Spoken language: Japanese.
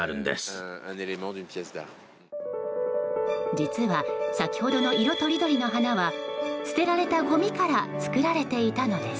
実は先ほどの色とりどりの花は捨てられたごみから作られていたのです。